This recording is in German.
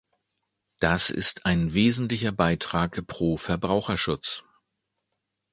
Das ist ein wesentlicher Beitrag pro Verbraucherschutz.